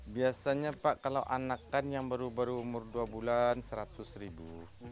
biasanya pak kalau anak kan yang baru baru umur dua bulan seratus ribu